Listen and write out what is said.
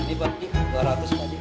ini pakcik dua ratus pakcik